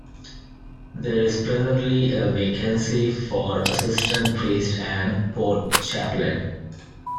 There is presently a vacancy for Assistant Priest and Port Chaplain.